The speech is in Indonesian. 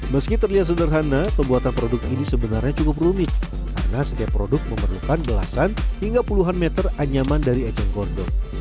meski terlihat sederhana pembuatan produk ini sebenarnya cukup rumit karena setiap produk memerlukan belasan hingga puluhan meter anyaman dari eceng gondok